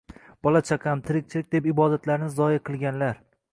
Bolam-chaqam, tirikchilik deb ibodatlarini zoeʼ qilganlar